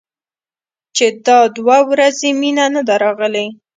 چې دا دوه ورځې مينه نه ده راغلې.